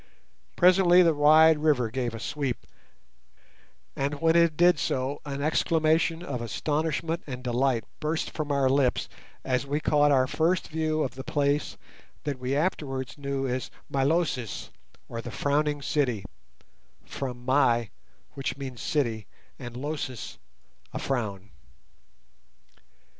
Presently the wide river gave a sweep, and when it did so an exclamation of astonishment and delight burst from our lips as we caught our first view of the place that we afterwards knew as Milosis, or the Frowning City (from the prefix mi, which means city, and losis, a frown).